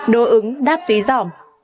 đô ứng đáp dí dỏ